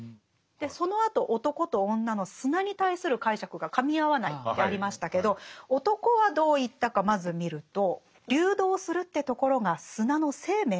でそのあと男と女の砂に対する解釈がかみ合わないってありましたけど男はどう言ったかまず見ると。